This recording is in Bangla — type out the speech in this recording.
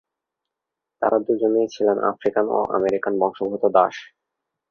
তারা দুজনেই ছিলেন, আফ্রিকান ও আমেরিকান বংশদ্ভুত দাস।